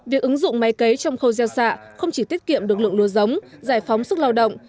việc ứng dụng máy cấy trong khâu gieo xạ không chỉ tiết kiệm được lượng lúa giống giải phóng sức lao động